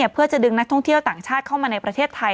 เพื่อจะดึงนักท่องเที่ยวต่างชาติเข้ามาในประเทศไทย